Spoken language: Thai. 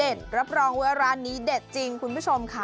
เด็ดรับรองเวลานี้เด็ดจริงคุณผู้ชมค่ะ